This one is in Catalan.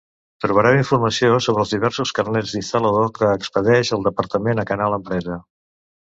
Trobareu informació sobre els diversos carnets d'instal·lador que expedeix el Departament a Canal Empresa.